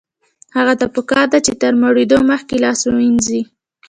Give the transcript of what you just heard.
هغه ته پکار ده چې تر مړېدو مخکې لاس ونیسي.